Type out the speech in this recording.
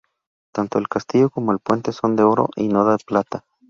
Tanto el castillo como el puente son de oro y no de plata.